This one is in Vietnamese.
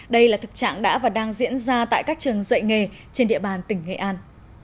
đây là thực trạng đã và đang diễn ra tại các trường dạy nghề trên địa bàn tỉnh nghệ an